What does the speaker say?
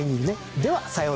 ではさようなら。